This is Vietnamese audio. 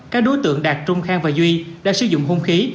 các đối tượng đạt trung khang và duy đã sử dụng hung khí